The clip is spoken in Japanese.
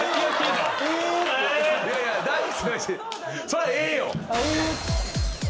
そりゃ「え」よ。